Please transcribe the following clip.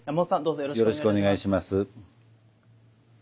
よろしくお願いします。